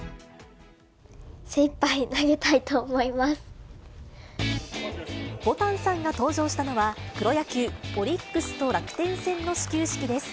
精いっぱい投げたいと思いまぼたんさんが登場したのは、プロ野球・オリックスと楽天戦の始球式です。